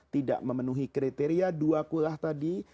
tidak memenuhi kriteria dua kulah tadi